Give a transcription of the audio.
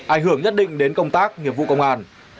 ảnh hưởng nhất định đến công tác nghiệp vụ công an